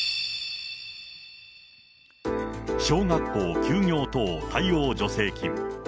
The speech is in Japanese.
小学校休業等対応助成金。